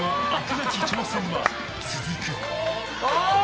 なき挑戦は続く。